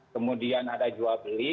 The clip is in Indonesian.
kemudian ada jual beli